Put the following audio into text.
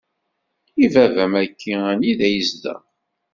I baba-m-aki anida yezdeɣ?